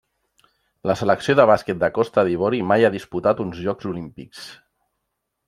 La selecció de bàsquet de Costa d'Ivori mai ha disputat uns Jocs Olímpics.